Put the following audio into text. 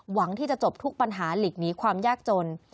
หวังที่จะจบทุกปัญหาหลีกหนีความยากจน